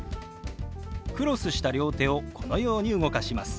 クロスした両手をこのように動かします。